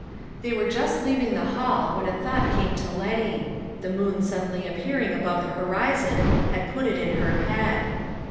They were just leaving the hall, when a thought came to Letty: the moon suddenly appearing above the horizon had put it in her head.